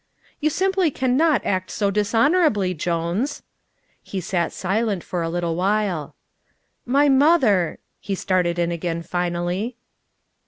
"You simply can not act so dishonorably, Jones." He sat silent for a little while. "My mother " he started in again finally.